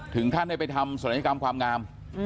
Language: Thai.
ถึงท่านได้ไปทำโสดนกรรมความงาม